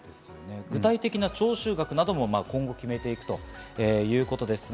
具体的な徴収額なども今後決めていくということです。